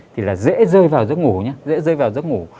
thì là dễ rơi vào giấc ngủ nhưng dễ rơi vào giấc ngủ